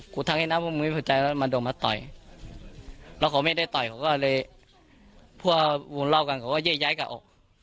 แล้วเขาไม่ได้ต่อยเขาก็เลยพวกวงเล่ากันเขาก็เย้ยย้ายกับอก